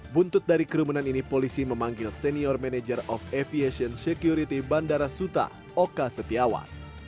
buntut dari kerumunan ini polisi memanggil senior manager of aviation security bandara suta oka setiawan